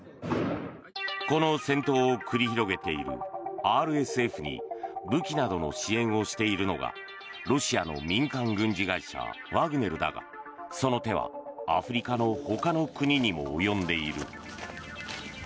この戦闘を繰り広げているＲＳＦに武器などの支援をしているのがロシアの民間軍事会社ワグネルだがその手は、アフリカの他の国にも及んでいる。